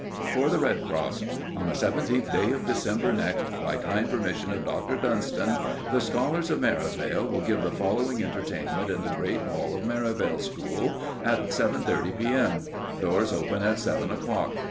FOR THE RED CROSS On the seventeenth day of December next, by kind permission of Dr. Dunston, the scholars of Merivale will give the following entertainment in the Great Hall of Merivale School at 7.30 p.m. Doors open at seven o'clock.